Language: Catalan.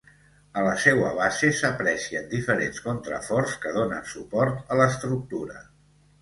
A la seua base s'aprecien diferents contraforts que donen suport a l'estructura.